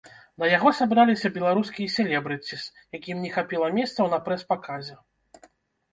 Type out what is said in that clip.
На яго сабраліся беларускія селебрыціз, якім не хапіла месцаў на прэс-паказе.